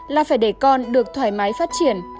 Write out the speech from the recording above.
là phải để con được thoải mái phát triển